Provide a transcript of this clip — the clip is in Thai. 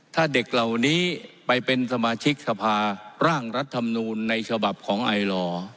ถ้าเด็กเหล่านี้ไปเป็นสมาชิกสภาร่างรัฐธรรมนูลในฉบับของไอลอ